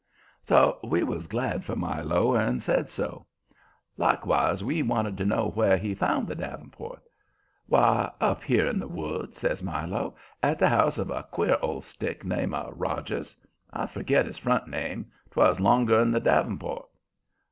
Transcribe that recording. So we was glad for Milo and said so. Likewise we wanted to know where he found the davenport. "Why, up here in the woods," says Milo, "at the house of a queer old stick, name of Rogers. I forget his front name 'twas longer'n the davenport."